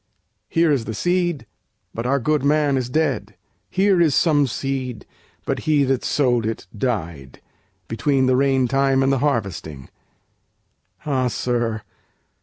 'Here is the seed, but our good man is dead!' 'Here is some seed, but he that sowed it died! Between the rain time and the harvesting!' Ah, sir!